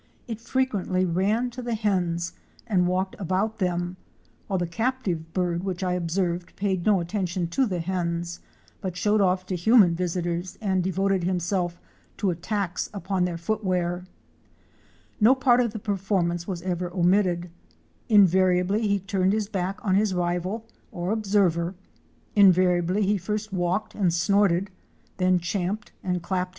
It frequently ran to the hens and walked about them, while the captive bird which I observed paid no attention to the hens, but showed off to human visitors and devoted himself to attacks upon their footwear. No part of the performance was ever omitted. Invariably he turned his back on his rival or observer, invariably he first walked and snorted, then champed and clapped his TuirD PHASE OF CURASSOW STRUTTING. Fic.